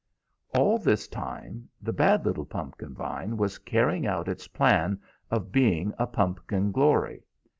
"All this time the bad little pumpkin vine was carrying out its plan of being a pumpkin glory.